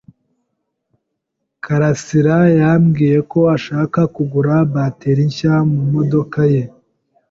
Karasirayambwiye ko ashaka kugura bateri nshya ku modoka ye.